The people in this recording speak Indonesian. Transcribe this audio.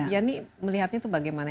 ya ini melihatnya bagaimana